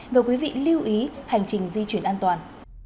và quý vị lưu ý hành trình di chuyển an toàn